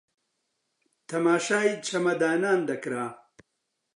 تەماشای چەمەدانان دەکرا